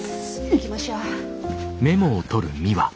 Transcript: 行きましょう。